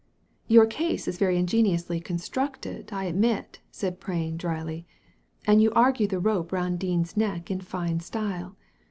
"Your case is very ingeniously constructed, I admit," said Prain, dryly, " and you argue the rope round Dean's neck in fine style.